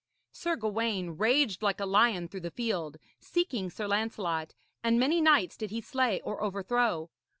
Sir Gawaine raged like a lion through the field, seeking Sir Lancelot, and many knights did he slay or overthrow.